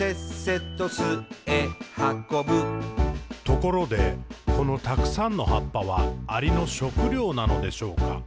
「ところで、このたくさんの葉っぱは、アリの食料なのでしょうか？